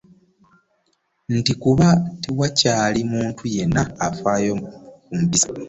Nti kuba tewakyali muntu yenna afaayo ku mpisa